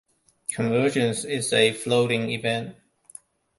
Convergence is a "floating" event.